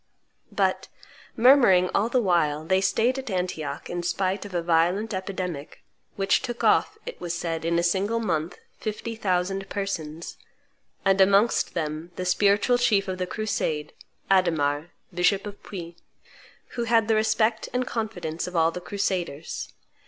But, murmuring all the while, they staid at Antioch, in spite of a violent epidemic, which took off, it was said, in a single month, fifty thousand persons, and amongst them the spiritual chief of the crusade, Adhemar, bishop of Puy, who had the respect and confidence of all the crusaders.